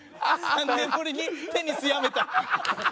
３年ぶりにテニスやめた。